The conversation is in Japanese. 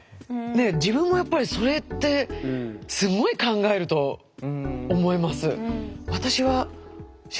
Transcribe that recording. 自分もやっぱりそれってすごい考えると思います。